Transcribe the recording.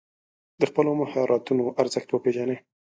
د خپلو مهارتونو ارزښت وپېژنئ.